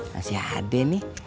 masih ada nih